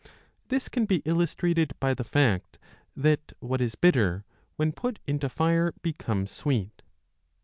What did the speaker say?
This can be illustrated by the fact that what is bitter, when put into fire, becomes sweet.